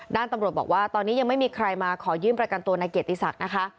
ด้านตำรวจบอกว่าตอนนี้ยังไม่มีใครมาขอยื่นประกันตัวนายเกียรติศักดิ์นะคะ